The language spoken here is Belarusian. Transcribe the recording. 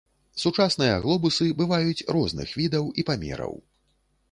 Сучасныя глобусы бываюць розных відаў і памераў.